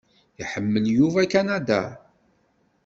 Iḥemmel Yuba Kanada.